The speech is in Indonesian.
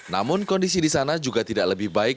namun kondisi di sana juga tidak lebih baik